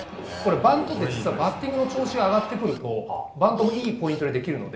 バントって実はバッティングの調子が上がってくると、バントもいいポイントでできるので。